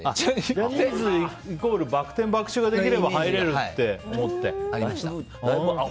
ジャニーズイコールバック転、バック宙ができれば入れるって思って？